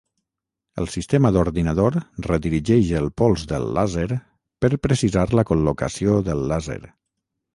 El sistema d'ordinador redirigeix el pols del làser per precisar la col·locació del làser.